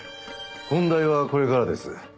本題はこれからです。